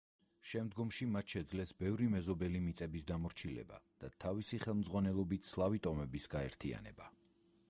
შემდგომში მათ შეძლეს ბევრი მეზობელი მიწების დამორჩილება და თავისი ხელმძღვანელობით სლავი ტომების გაერთიანება.